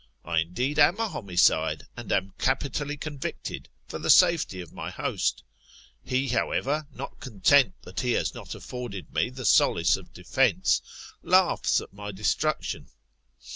I indeed am a iiomicide, and am capitally convicted, for the safety of my host He, however, not content that he has not afforded me ]pe solace of defence^ laughs at my destruction.